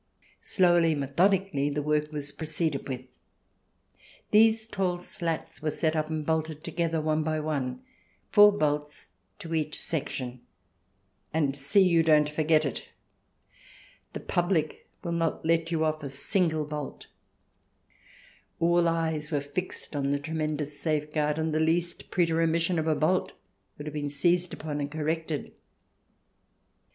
Slowly, methodi cally, the work was proceeded with. These tall slats were set up and bolted together one by one, four bolts to each section, and see you don't forget it I The public will not let you off a single bolt 1 All eyes were fixed on the tremendous safeguard, and the least pretermission of a bolt would have been seized upon and corrected.